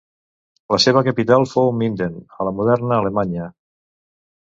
La seva capital fou Minden a la moderna Alemanya.